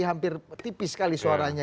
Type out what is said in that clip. hampir tipis sekali suaranya